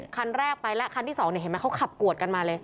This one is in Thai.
คันแรกไปแล้วคันที่สองเนี่ยเห็นไหมเขาขับกวดกันมาเลย